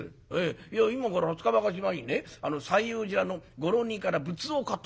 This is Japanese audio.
いや今から二十日ばかし前にね西應寺裏のご浪人から仏像を買った。